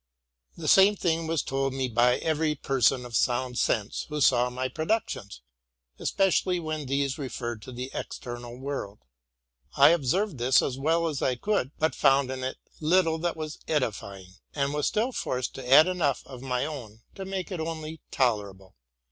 The same thing was told me by every person of sound sense who saw my productions, especially when these referred to the external world. I observed this as well as I could, but found in it little that was edifying, and was still forced to add enough of my own to make it only tolerable.